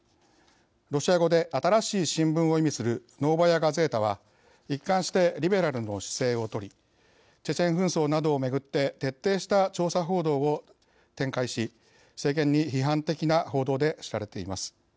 ロシア語で新しい新聞を意味する「ノーバヤ・ガゼータ」は一貫してリベラルの姿勢をとりチェチェン紛争などをめぐって徹底した調査報道を展開し政権に批判的な報道で知られています。